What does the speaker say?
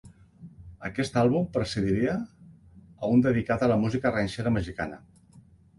Aquest àlbum precediria a un dedicat a la música ranxera mexicana.